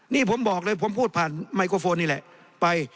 นี่ผมบอกเลยผมพูดผ่านไมโครโฟนนี่แหละไป